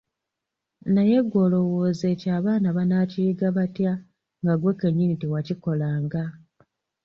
Naye ggwe olowooza ekyo abaana banakiyiga batya nga ggwe kennyini tewakikolanga?